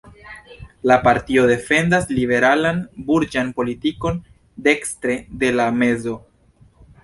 La partio defendas liberalan burĝan politikon dekstre de la mezo.